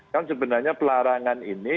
kan sebenarnya pelarangan ini